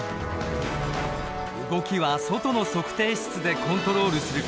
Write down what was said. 動きは外の測定室でコントロールする。